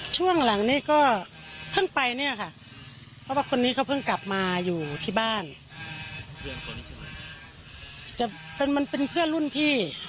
จะเป็นเกิดมันเป็นเพื่อนลุ่นพี่